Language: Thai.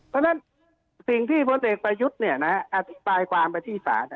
เพราะฉะนั้นสิ่งที่พลเอกประยุทธ์อธิบายความไปที่ศาล